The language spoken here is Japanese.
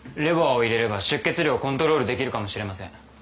ＲＥＢＯＡを入れれば出血量をコントロールできるかもしれません。